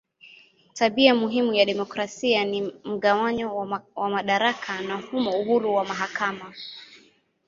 Tabia muhimu ya demokrasia ni mgawanyo wa madaraka na humo uhuru wa mahakama.